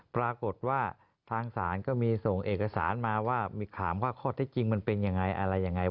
ปรากฏว่าทางศาลก็มีส่งเอกสารมาว่ามีถามว่าข้อเท็จจริงมันเป็นยังไงอะไรยังไง